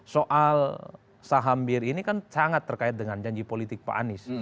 soal saham bir ini kan sangat terkait dengan janji politik pak anies